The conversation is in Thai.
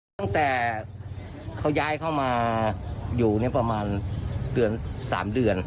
ตั้งแต่เขาย้ายเข้ามาอยู่นี่ประมาณ๓เดือน